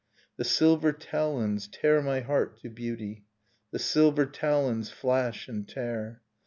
The silver talons tear my heart to beauty, The silver talons flash and tear